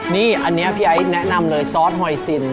นี่อันนี้พี่ไอ้แนะนำเลยซอสหอยซิน